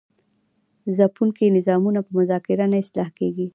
ځپونکي نظامونه په مذاکره نه اصلاح کیږي.